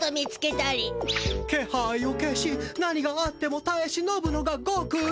けはいを消し何があってもたえしのぶのがごくい。